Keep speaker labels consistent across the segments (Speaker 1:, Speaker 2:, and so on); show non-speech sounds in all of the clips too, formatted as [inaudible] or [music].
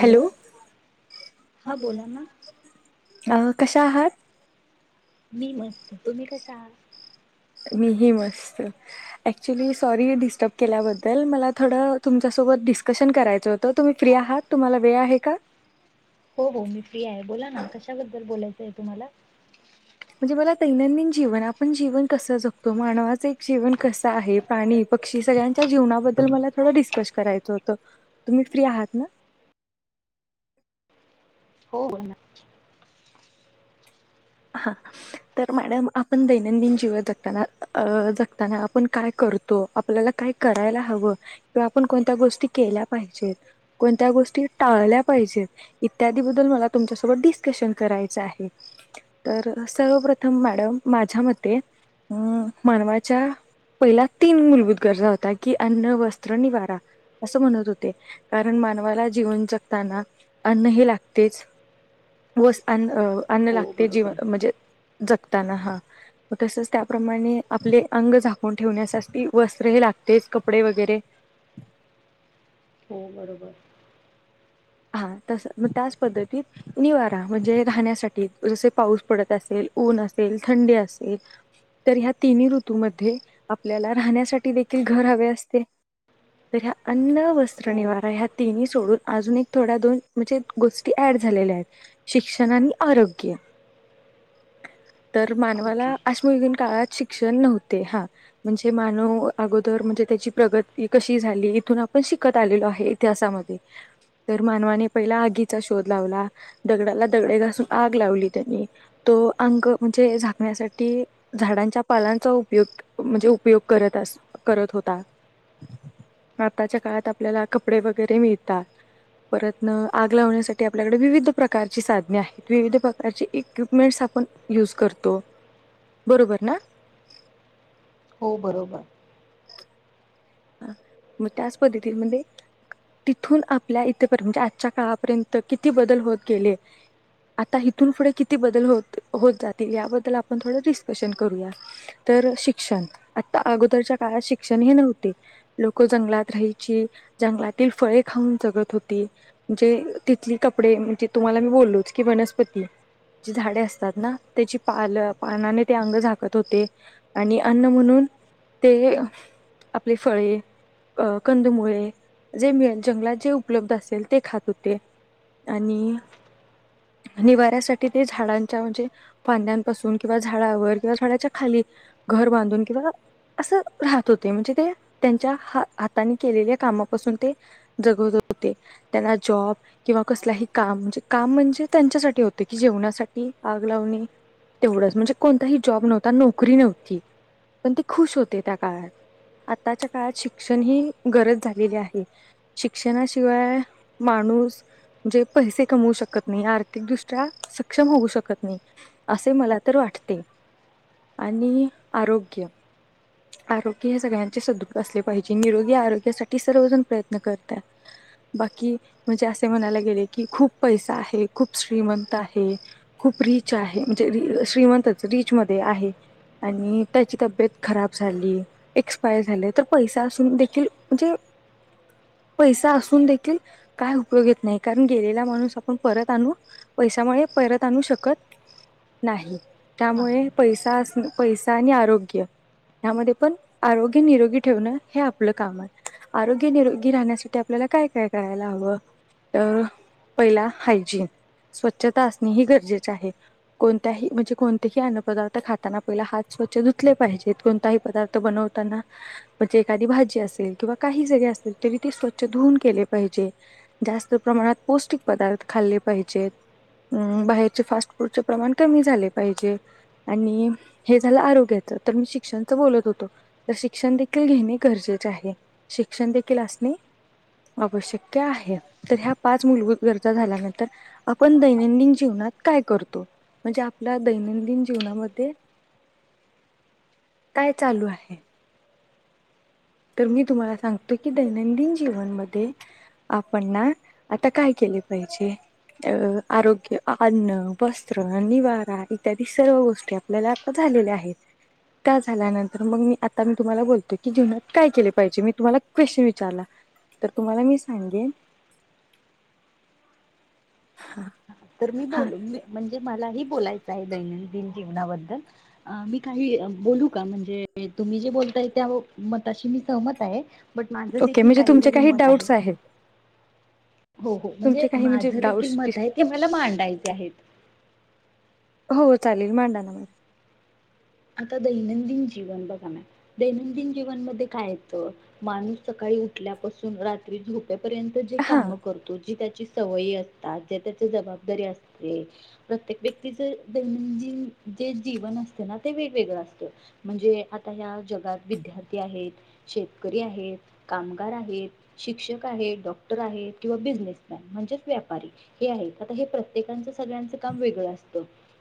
Speaker 1: Hello
Speaker 2: हां बोला ना
Speaker 1: अं कशा आहात?
Speaker 2: मी मस्त [inaudible]
Speaker 1: मीही मस्त. ॲक्च्युली सॉरी डिस्टर्ब केल्याबद्दल मला थोडं तुमच्यासोबत डीस कशन करायचं होत तुम्ही फ्री आहात? तुम्हाला वेळ आहे का?
Speaker 2: हो ते तुम्हाला
Speaker 1: म्हणजे मला दैनंदिन जीवन आपण जीवन कसं जगतो मानवाचं एक जीवन कसं आहे प्राणी पक्षी सगळ्यांच्या जीवनाबद्दल मला थोडं डिस्कस करायचं होतं तुम्ही फ्री आहात ना?
Speaker 2: हो बोल ना.
Speaker 1: हा तर मॅडम आपण दैनंदिन जीवन जगताना अ जगताना आपण काय करतो आपल्याला काय करायला हवं किंवा आपण कोणत्या गोष्टी केल्या पाहिजेत कोणत्या गोष्टी टाळल्या पाहिजेत इत्यादी बद्दल मला तुमच्यासोबत डिस्कशन करायचं आहे. तर सर्वप्रथम मॅडम माझ्या मते अं मानवाच्या पहिल्या तीन मूलभूत गरजा होत्या की अन्न वस्त्र निवारा असं म्हणत होते कारण मानवाला जीवन जगताना अन्न हे लागतेच वस अन्न अन्न
Speaker 2: हो
Speaker 1: ला ते जीवन
Speaker 2: बरोबर
Speaker 1: अ म्हणजे जगताना हा मग तसच त्याप्रमाणे आपले अंग झाकून ठेवण्यासास ती वस्त्र ही लागतेच कपडे वगैरे
Speaker 2: हो बरोबर.
Speaker 1: हां तस मग त्याच पद्धतीत निवारा म्हणजे राहण्यासाठी जसे पाऊस पडत असेल ऊन असेल थंडी असेल तर ह्या तिनी ऋतूमध्ये आपल्याला राहण्यासाठी देखील घर हवे असते तर ह्या अन्न वस्त्र
Speaker 2: हो
Speaker 1: निवारा ह्या तिन्ही सोडून अजून एक थोड्या दोन म्हणजे गोष्टी ऍड झालेल्या आहेत शिक्षण आणि आरोग्य. तर
Speaker 2: ओके
Speaker 1: मानवाला अश्मयुगीन काळात शिक्षण नव्हते हा म्हणजे मानव अगोदर म्हणजे त्याची प्रगती कशी झाली इथून आपण शिकत आलेलो आहे इतिहासामध्ये. तर मानवाने पहिला आगीचा शोध लावला दगडाला दगडे घासून आग लावली त्यांनी तो अंग म्हणजे झाकण्यासाठी झाडांच्या पालांचा उपयोग म्हणजे उपयोग करत अस करत होता आताच्या काळात आपल्याला कपडे वगैरे मिळतात. परतन आग लावण्यासाठी आपल्याकडे विविध प्रकारची साधने आहेत विविध प्रकारची इक्विपमेंटस आपण युज करतो बरोबर ना?
Speaker 2: हो बरोबर.
Speaker 1: हा म त्याच पद्धती म्हणजे तिथून आपल्या इथपर्यंत म्हणजे आजच्या काळापर्यंत किती बदल होत गेले आता इथून पुढ किती बदल होत होत जातील याबद्दल आपण थोडं डिस्कशन करूया तर शिक्षण आता अगोदरच्या काळात शिक्षण हे न्हव ते लोक जंगलात राहायची जंगलातील फळे खाऊन जगत होती म्हणजे तिथली कपडे म्हणजे तुम्हाला मी बोललोच की वनस्पती जी झाडे असतात ना त्याची पाल पानाने ते अंग झाकत होते आणि अन्न म्हणून ते आपली फळे अ कंदमुळे जे मिळे जंगलात जे उपलब्ध असेल ते खात हुते आणि निवाऱ्यासाठी ते झाडांच्या म्हणजे फांद्यांपासून किंवा झाडावर किंवा झाडाच्या खाली घर बांधून किंवा असं राहत होत ते म्हणजे ते त्यांच्या हात हाताने केलेल्या कामापासून ते जगत होते त्यांना जॉब किंवा कसलाही काम म्हणजे काम म्हणजे त्यांच्यासाठी होते कि जेवणासाठी आग लावणे तेवढंच म्हणजे कोणताही जॉब नव्हता नोकरी नव्हती पण ते खुश होते त्या काळात. आताच्या काळात शिक्षण ही गरज झालेली आहे शिक्षणाशिवाय माणूस म्हजे पैसे कमवू शकत नाही आर्थिकदृष्ट्या सक्षम होऊ शकत नाही असे मला तर वाटते आणि आरोग्य आरो हे सगळ्यांचे सदु असले पाहिजे निरोगी आरोग्यासाठी सर्वजण प्रयत्न करतात, बाकी म्हणजे असे म्हणायला गेले की खूप पैसा आहे. खूप श्रीमंत आहे. खूप रीच आहे म्हणजे श्रीमंतच रीच मध्ये आहे आणि त्याची तब्येत खराब झाली. एक्सपायर झाले तर पैसा असून देखील म्हणजे पैसा असून देखील काय उपयोग येत नाही कारण गेलेला माणूस आपण परत आणू पैसामुळे परत आणू शकत नाही. त्यामुळे
Speaker 2: नाही
Speaker 1: पैसा असणं पैसा आणि आरोग्य ह्यामध्ये पण आरोग्य निरोगी ठेवण हे आपल काम आहे आरोग्य निरोगी राहण्यासाठी आपल्याला काय काय करायला हवं तर पहिला हायजीन स्वच्छता असणे हे गरजेच आहे कोणत्याही म्हणजे कोणतेही अन्न पदार्थ खाताना पहिला हात स्वच्छ धुतले पाहिजेत कोणताही पदार्थ बनव म्हणजे एखादी भाजी असेल किंवा काही जगे असेल तरी ते स्वच्छ धुून केले पाहिजे जास्त प्रमाणात पौष्टिक पदार्थ खाल्ले पाहिजेत अ बाहेरचे फास्ट फूडचे प्रमाण कमी झाले पाहिजे आणि हे झालं आरोग्याच तर मी शिक्षणच बोलत होतो. तर शिक्षण देखील घेणे गरजेचे आहे शिक्षण देखील असणे आवश्यक्य आहे तर ह्या पाच मुलभूत गरजा झाल्यानंतर आपण दैनंदिन जीवनात काय कर तो म्हणजे आपला दैनंदिन जीवनामध्ये काय चालू आहे तर मी तुम्हाला सांगते की दैनंदिन जीवनमध्ये आपण ना आता काय केले पाहिजे अ आरोग्य अन्न वस्त्र निवारा इत्यादी सर्व गोष्टी आपल्याला आता झालेल्या आहेत त्या झाल्यानंतर मग मी आता मी तुम्हाला बोलतेय की जीवनात काय केले पाहिजे मी? तुम्हाला क्वेश्च विचारला तर तुम्हाला मी सांगेन हा
Speaker 2: तर मी बोल [unintelligible] म्हणजे मलाही बोलायच आहे दैनंदिन जीवनाबद्दल अ मी काही बोलू का म्हणजे तुम्ही जे बोलताय त्या मताशी मी सहमत आहे. बट माझं
Speaker 1: ओके
Speaker 2: देखील
Speaker 1: म्हणजे तुमचे
Speaker 2: काहीतरी
Speaker 1: काही
Speaker 2: मत आहे
Speaker 1: डाऊट्स आहेत
Speaker 2: हो हो म्हणजे
Speaker 1: तुमचे काही
Speaker 2: माझ देखील
Speaker 1: डाऊट्स डिस
Speaker 2: मत आहे. ते मला मांडायचे आहेत.
Speaker 1: हो चालेल मांडा ना मॅ
Speaker 2: आता दैनंदिन जीवन बघा ना दैनंदिन जीवन मध्ये काय येत माणूस सकाळी उठल्यापासून रात्री झोप झोपेपर्यंत जि
Speaker 1: हां
Speaker 2: कामं करतो जी काय ची सवयी असतात ज्या त्याच्या जबाबदारी असते प्रत्येक व्यक्तीच दैनंदिन जे जीवन असते ना ते वेगवेगळ असत म्हणजे आता ह्या जगात विद्यार्थी आहेत शेतकरी आहेत कामगार आहेत शिक्षक आहेत डॉक्टर आहेत किंवा बिजनेसमॅन म्हणजेच व्यापारी हे आहेत आता हे प्रत्येकाच सगळ्यांच काम वेगळ असत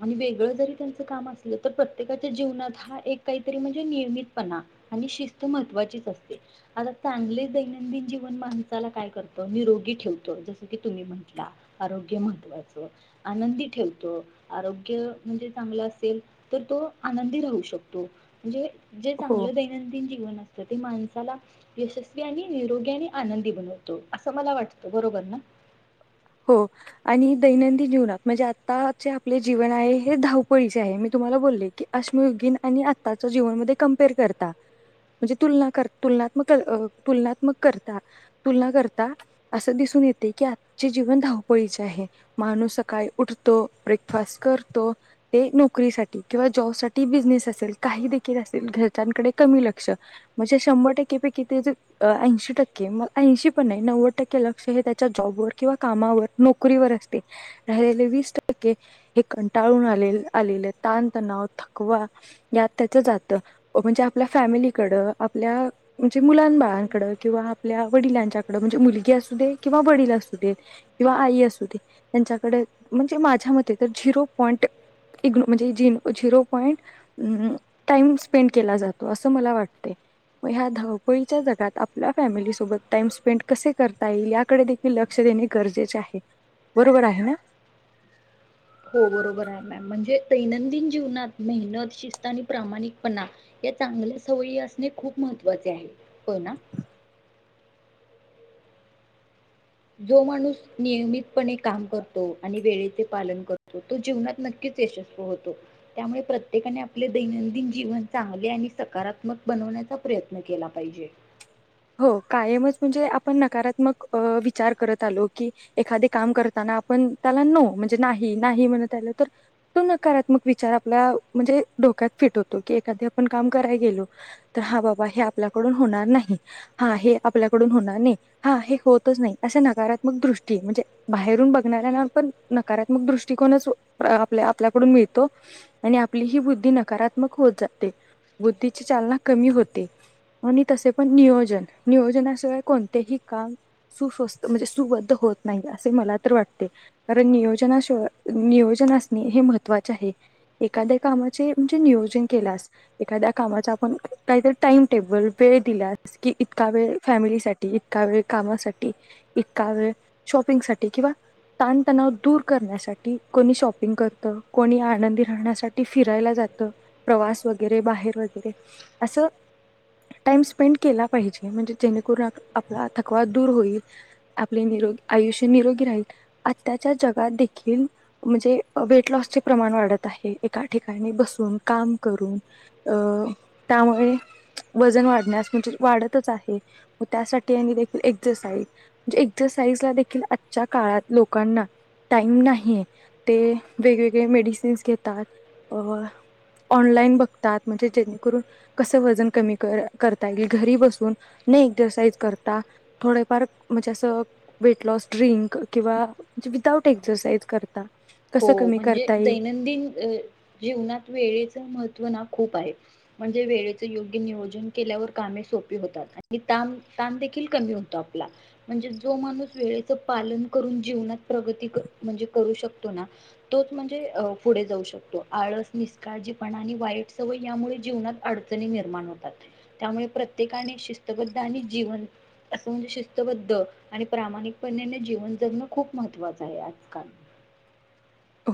Speaker 2: आणि वेगळ जरी त्यांच काम असल तर प्रत् प्रत्येकाच्या जीवनात हा एक काहीतरी म्हणजे नियमितपणा आणि शिस्त महत्त्वाचीच असते. आता चांगले दैनंदिन जीवन माणसाला काय करतो निरोगी ठेवतो जसं की तुम्ही म्हटला आरोग्य महत्त्वाचं आनंदी ठेवतो आरोग्य म्हणजे चांगला असेल तर तो आनंदी राहू शकतो म्हणजे जे
Speaker 1: हो
Speaker 2: चांगलं दैनंदिन जीवन तर ते माणसाला यशस्वी आणि निरोगी आणि आनंदी बनवतो अस मला वाटत बरोबर ना
Speaker 1: हो आणि दैनंदिन जीवनात म्हणजे आताचे आपले जीवन आहे हे धावपळीचे आहे मी तुम्हाला बोलले की अश्मयुगीन आणि आत्ताच्या जीवनमध्ये कम्पेअर करता म्हणजे तुलना कर तुलनात्मक अ तुलनात्मक करता तुलना करता असं दिसून येते की जीवन धावपळीचे आहे. माणूस सकाळी उठतो ब्रेकफास्ट करतो ते नोकरी साठी किंवा जॉब साठी, बिजनेस असेल काही देखील असेल घरच्याकडे कमी लक्ष म्हणजे शंभर टक्केपैकी ते ऐंशी टक्के म ऐंशी पण नाही नव्वद टक्के लक्ष हे त्याच्या जॉबवर किंवा कामावर नोकरीवर असते राहिलेले वीस टक्के हे कंटाळून आ आलेले ताणतणाव थकवा यात त्याच जात म्हणजे आपल्या फॅमिलीकड आपल्या म्हणजे मुलांबाळांकड किंवा आपल्या वडिलांच्याकड म्हणजे मुलगी असू दे किंवा वडील अस [unintelligible] किंवा आई असुदे त्यांच्याकडे म्हणजे माझ्या मते तर झिरो पॉईंट म्हणजे झिरो पॉईंट टाइम स्पेंड केला जातो असं मला वाटतय ह्या धावपळीच्या जगात आपल्या फॅमिली सोबत टाइम स्पेंड कसे करता येईल याकडे देखील ल गरजेचे आहे बरोबर आहे ना.
Speaker 2: हो बरोबर आहे मॅम, म्हणजे दैनंदिन जीवनात मेहनत शिस्त आणि प्रामाणिकपणा या चांगल्या सवयी असणे खूप महत्त्वाचे आहे. होय ना? जो माणूस नियमितपणे काम करतो आणि वेळेचे पालन करतो तो जीवनात नक्कीच यशस्व होतो त्यामुळे प्रत्येकाने आपले दैनंदिन जीवन चांगले आणि सकारात्मक बनवण्याचा प्रयत्न केला पाहिजे
Speaker 1: हो कायमच म्हणजे आपण नकारात्मक विचार करत आलो की एखादे काम करताना आपण त्याला नो म्हणजे नाही नाही म्हणत त्याला तर तो नकारात्मक विचार आपला म्हणजे डोक्यात फिट होतो की एखादे आपण काम करायला गेलो तर हा बाबा हे आपल्याकडून होणार नाही. हा हे आपल्याकडून होणार नाही हा हे होतच नाही असे नकारात्मक दृष्टी म्हणजे बाहेरून बघणाऱ्यांना पण नकारात्मक दृष्टिकोनच आपल्या आपल्याकडून मिळतो आणि आपली ही बुद्धी नकारात्मक होत जाते. बुद्धीची चालना कमी होते. आणि तसे पण नियोजन नियोजनाशिवाय कोणतेही काम सुस्वस्त म्हणजे सुबद्ध होत नाही, असे मला तर वाटते कारण नियोजनाशिवाय नियोजना असणे हे महत्त्वाचे आहे एखाद्या कामाचे म्हणजे नियोजन केल्यास एखाद्या कामाच आपण काहीतरी टाइम टेबल वे दिल्यास की इतका वेळ फॅमिलीसाठी, इतका वेळ कामासाठी, इतका वेळ शॉपिंग साठी, किंवा ताणतणाव दूर करण्यासाठी, कोणी शॉपिंग करत, कोणी आनंदी राहण्यासाठी फिरायला जातं, प्रवास वगैरे बाहेर वगैरे अस टाईम स्पेंड केला पाहिजे, म्हणजे जेणेकरून आपला थकवा दूर होईल, आपले निरोगी आयुष्य निरोगी राहील आताच्या जगात देखील म्हणजे वेट लॉस चे प्रमाण वाढत आहे, एका ठिकाणी बसून काम करून अ त्यामुळे वजन वाढ म्हणजे वाढतच आहे त्यासाठी आणि काही तरी एक्सरसाइज म्हणजे एक्सरसाइज ला देखील आजच्या काळात लोकांना टाईम नाहीे ते वेगवेगळे मेडिसिन्स घेतात अ ऑनलाईन बघतात म्हणजे जेणेकरून कस वजन कमी कर... करता येईल घरी बसून नाही एक्सरसाइज करता थोडेफार म्हणजे असं वेट लॉस ड्रिंक किंवा विदाउट एक्सरसाइज करता
Speaker 2: हो
Speaker 1: कसं कमी
Speaker 2: म्हणजे
Speaker 1: करता येईल
Speaker 2: दैनंदिन अ जीवनात वेळेचं महत्व खूप आहे म्हणजे वेळेच योग्य नियोजन केल्यावर कामे सोपी होतात आणि ताण ताण देखील कमी होतो आपला म्हणजे जो माणूस वेळेच पालन करून जीवनात प्रगती कर म्हणजे करू शकतो.. तोना तोच म्हणजे अ पुढे जाऊ शकतो. आळस, निष्काळजीपणा आणि वाईट सवय यामुळे जीवनात अडचणी निर्माण होतात त्यामुळे प्रत्येकाने शिस्तबद्ध आणि जीवन असं म्हणजे शिस्तबद्ध आणि प्रामाणिकपणेने जीवन जगणं खूप महत्त्वाचं आहे आजकाल.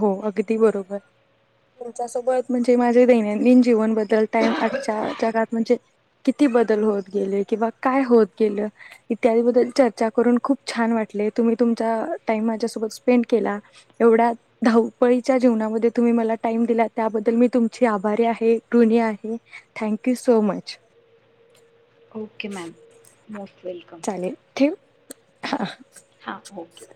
Speaker 1: हो अगदी बरोबर तुमच्या सोबत म्हणजे माझे दैनंदिन जीवनबद तल टाइम आजच्या जगात म्हणजे किती बदल होत गेले किंवा काय होत गेले इत्यादी बद्दल चर्चा करून खूप छान वाटले तुम्ही तुमच्या टाईमाझ्यासोबत स्पेंड केला एवढा..... धावपळीच्या जीवनामध्ये तुम्ही मला टाईम दिला त्याबद्दल मी तुमची आभारी आहे ऋणी आहे thank you so much
Speaker 2: okay ma'am मो......
Speaker 1: चालेल ठेवू. हा
Speaker 2: हां ओके